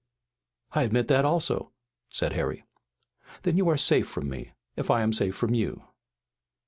"I admit that also," said Harry. "Then you are safe from me, if I'm safe from you."